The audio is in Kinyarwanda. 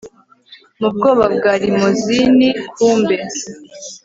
mubwoba bwa rimozine kumbe